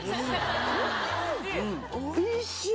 おいしい。